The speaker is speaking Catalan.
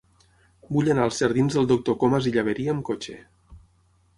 Vull anar als jardins del Doctor Comas i Llaberia amb cotxe.